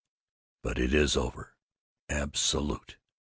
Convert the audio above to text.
But it is over. Absolute!